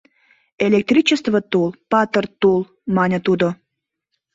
— Электричестве тул — патыр тул, — мане тудо.